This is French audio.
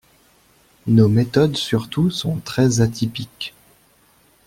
Nos méthodes surtout sont très atypiques.